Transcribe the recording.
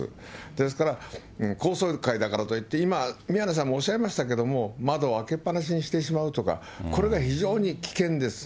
ですから高層階だからといって、今、宮根さんもおっしゃいましたけれども、窓を開けっぱなしにしてしまうとか、これが非常に危険です。